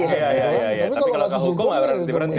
tapi kalau masuk suku nggak berhenti